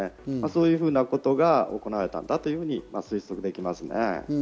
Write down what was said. そういうことが行われたんだと推測できます。